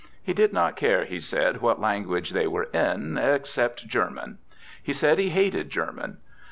He did not care, he said, what language they were in, except German. He said he hated German.